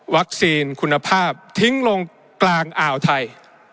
วัคซีนคุณภาพทิ้งลงกลางอ่าวไทย